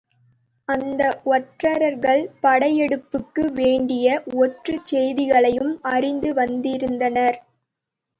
அந்த ஒற்றர்கள் படையெடுப்புக்கு வேண்டிய ஒற்றுச் செய்திகளையும் அறிந்து வந்திருந்தனர்.